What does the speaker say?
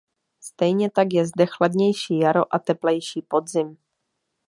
Stejně tak je zde chladnější jaro a teplejší podzim.